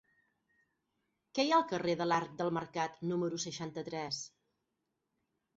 Què hi ha al carrer de l'Arc del Mercat número seixanta-tres?